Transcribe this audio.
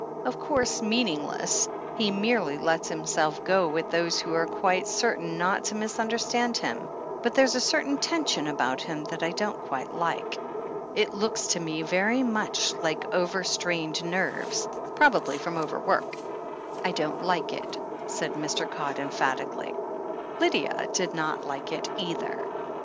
Of course, meaningless — ^he merely lets himself go with those who are quite certain not to misunderstand him — ^but there's a certain tension about him that I don't quite like. It looks to me very much THE HEEL OF ACHILLES 299 like over strained nerves — ^probably from overwork. I don't like it/' said Mr. Codd emphatically. Lydia did not like it either.